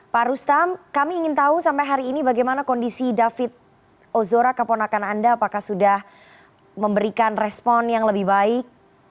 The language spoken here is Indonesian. pak rustam kami ingin tahu sampai hari ini bagaimana kondisi david ozora keponakan anda apakah sudah memberikan respon yang lebih baik